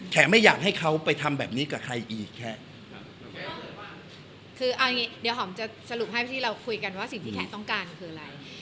ไม่อยากให้เขาไปทำแบบนี้กับใครอีกแขกคือเอางี้เดี๋ยวหอมจะสรุปให้ที่เราคุยกันว่าสิ่งที่แขกต้องการคืออะไร